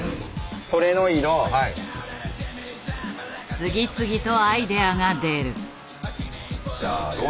次々とアイデアが出る。